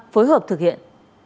phối hợp thực hiện